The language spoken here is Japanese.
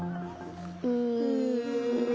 うん。